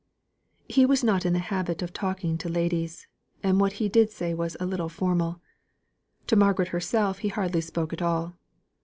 He was not in the habit of talking to ladies; and what he did say was a little formal. To Margaret herself he hardly spoke at all.